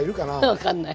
分かんない。